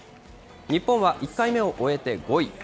日本は１回目を終えて５位。